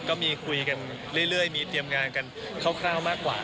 ก็มีคุยกันเรื่อยมีเตรียมงานกันคร่าวมากกว่า